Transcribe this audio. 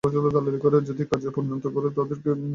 যদি কার্যে পরিণত করিতে পারিস তবে জানব তোরা মরদ, আর কাজে আসবি।